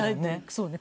そうね。